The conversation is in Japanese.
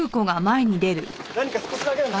何か少しだけでも。